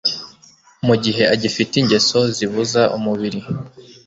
mu gihe agifite ingeso zibuza umubiri